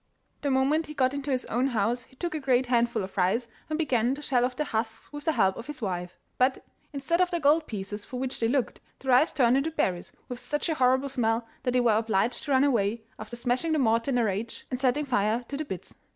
The moment he got into his own house he took a great handful of rice, and began to shell off the husks, with the help of his wife. But, instead of the gold pieces for which they looked, the rice turned into berries with such a horrible smell that they were obliged to run away, after smashing the mortar in a rage and setting fire to the bits.